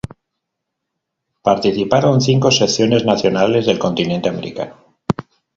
Participaron cinco selecciones nacionales del continente americano.